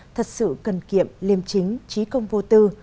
thật sự cần kiệm liêm chính trí công vô tư